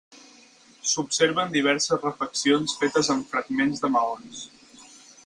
S'observen diverses refeccions fetes amb fragments de maons.